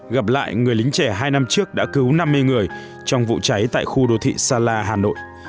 gặp lại người lính trẻ hai năm trước đã cứu năm mươi người trong vụ cháy tại khu đô thị sa la hà nội